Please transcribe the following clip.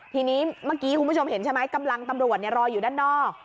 ทีนี้เมื่อกี้คุณผู้ชมเห็นใช่ไหมกำลังตำรวจรออยู่ด้านนอก